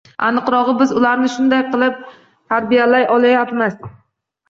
Aniqrog`i, biz ularni shunday qilib tarbiyalay olmayapmiz